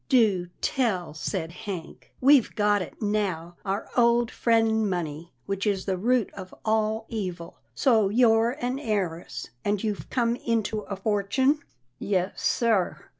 " Do tell !" said Hank, " we've got it now — our old friend, money, which is the root of all evil. So you're an heiress, and you've come into a fortune?" "Yes sir."